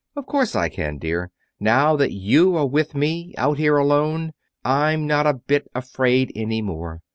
"Of course I can, dear. Now that you are with me, out here alone, I'm not a bit afraid any more.